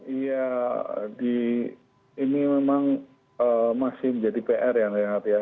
iya ini memang masih menjadi pr ya reinhardt ya